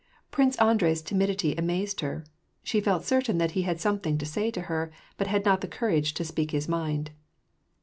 Prince Andrei's timidity amazed her. She felt certain that he had something to say to her, but had not the courage to speak his mind.